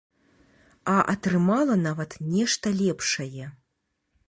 А атрымала нават нешта лепшае.